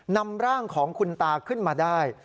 นำร่างของคุณตาขึ้นมาได้